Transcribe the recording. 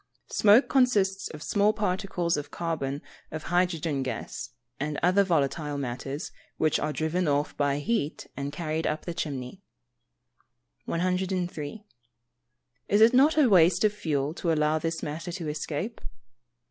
_ Smoke consists of small particles of carbon of hydrogen gas, and other volatile matters, which are driven off by heat and carried up the chimney. 103. _Is it not a waste of fuel to allow this matter to escape?